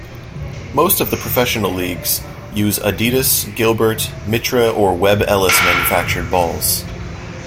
Most of the professional leagues use Adidas, Gilbert, Mitre or Webb Ellis manufactured balls.